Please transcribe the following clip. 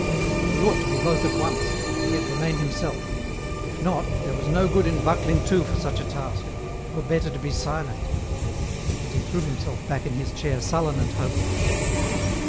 He ought to be both at once, and yet remain himself, if not, there was no good in buckling to for such a task, it were better to be silent ; and he threw him self back in his chair sullen and hopeless.